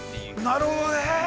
◆なるほどね。